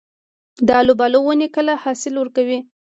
د الوبالو ونې کله حاصل ورکوي؟